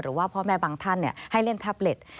หรือว่าพ่อแม่บางท่านให้เล่นแท็บเล็ต